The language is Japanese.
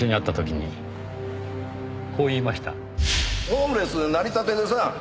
ホームレスなりたてでさ。